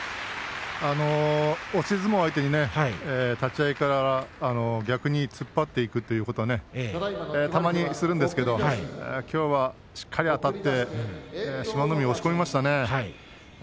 押し相撲相手に立ち合いから逆に突っ張っていくというねたまにするんですけどきょうはしっかりとあたって志摩ノ海を押し込みましたね。